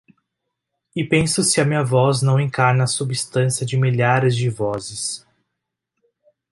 E penso se a minha voz não encarna a substância de milhares de vozes